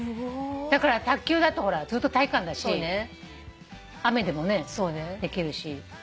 だから卓球だとほらずっと体育館だし雨でもねできるし。